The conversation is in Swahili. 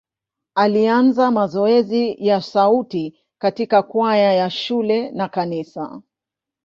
Alianza mazoezi ya sauti katika kwaya ya shule na kanisa.